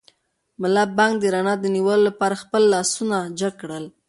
ملا بانګ د رڼا د نیولو لپاره خپل لاسونه جګ کړل.